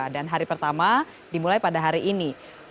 dan hari pertama dimulai pada hari ini